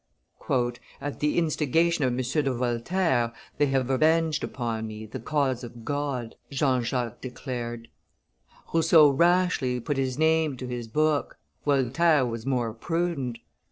"At the instigation of M. de Voltaire they have avenged upon me the cause of God," Jean Jacques declared. Rousseau rashly put his name to his book; Voltaire was more prudent.